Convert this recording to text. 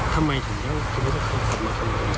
ทำไมเขาน่าจะย้อนกลับมาขโมย